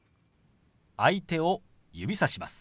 相手を指さします。